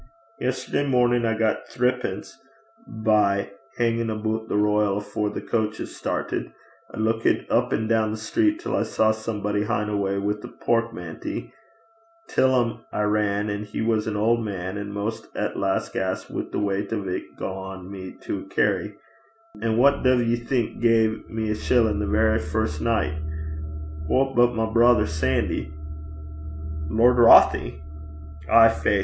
Yesterday mornin' I got thrippence by hingin' aboot the Royal afore the coches startit. I luikit a' up and doon the street till I saw somebody hine awa wi' a porkmanty. Till 'im I ran, an' he was an auld man, an' maist at the last gasp wi' the weicht o' 't, an' gae me 't to carry. An' wha duv ye think gae me a shillin' the verra first nicht? Wha but my brither Sandy?' 'Lord Rothie?' 'Ay, faith.